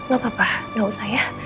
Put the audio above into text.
gak apa apa nggak usah ya